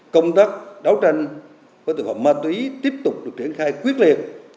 công tác đấu tranh với tội phạm ma túy tiếp tục được triển khai quyết liệt